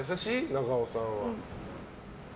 中尾さんは。